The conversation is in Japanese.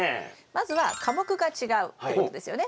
まずは科目が違うってことですよね。